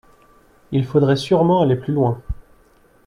Il faudrait sûrement aller plus loin.